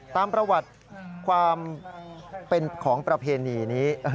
ตามประวัติความเป็นของประเพณีนี้